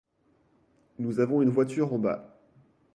Nous avons une voiture en bas.